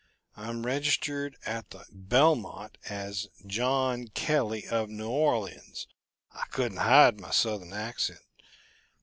I'm registered at the Belmont as John Kelly of New Orleans I couldn't hide my Southern accent.